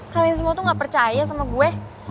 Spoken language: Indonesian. kalian semua tuh gak percaya sama gue